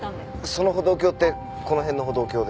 その歩道橋ってこの辺の歩道橋ですか？